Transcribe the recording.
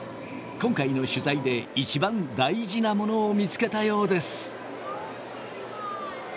今回の取材で一番大事なものを見つけたようです。